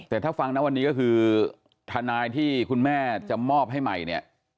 แต่ถ้าฟังนะวันนี้ก็คือทนายที่คุณแม่จะมอบให้ใหม่เนี่ย